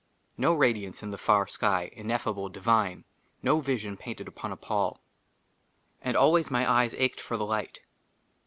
NO RADIANCE IN THE FAR SKY, INEFFABLE, DIVINE ; NO VISION PAINTED UPON A PALL; AND ALWAYS MY EYES ACHED FOR THE LIGHT.